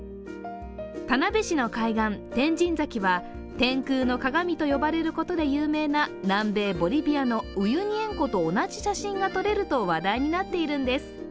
田辺市の海岸・天神崎は、天空の鏡と呼ばれることで有名な南米ボリビアのウユニ塩湖と同じ写真が撮れると話題になっているんです。